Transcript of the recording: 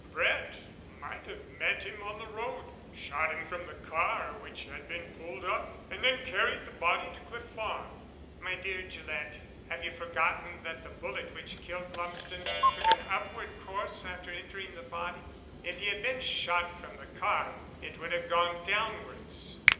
"Brett might have met him on the road, shot him from the car which had been pulled up, and then carried the body to Cliff Farm." "My dear Gillett, have you forgotten that the bullet which killed Lumsden took an upward course after entering the body? If he had been shot from the car it would have gone downwards."